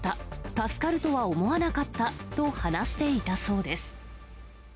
助かるとは思わなかったと話していたそうです。